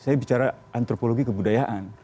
saya bicara antropologi kebudayaan